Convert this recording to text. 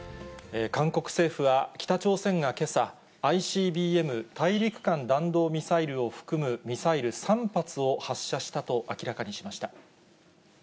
韓国政府は、北朝鮮がけさ、ＩＣＢＭ・大陸間弾道ミサイルを含むミサイル３発を発射したと明らかにしました。